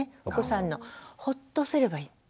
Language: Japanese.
お子さんのほっとすればいい。